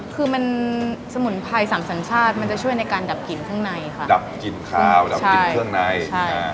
คือมันสมุนไพรสามสัญชาติมันจะช่วยในการดับกลิ่นข้างในค่ะดับกลิ่นคาวดับกลิ่นเครื่องในใช่